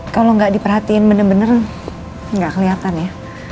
kalo gak diperhatiin bener bener gak keliatan ya